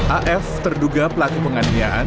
af terduga pelaku penganiayaan